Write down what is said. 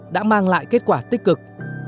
đã mang lại kết quả tích cực